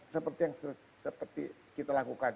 seperti yang kita lakukan